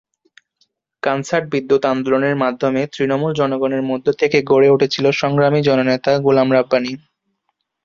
কানসাট-বিদ্যুৎ আন্দোলনের মাধ্যমে তৃণমূল জনগণের মধ্যে থেকে গড়ে উঠেছিলেন সংগ্রামী জননেতা- গোলাম রাব্বানী।